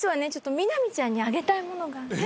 美波ちゃんにあげたいものがあるの。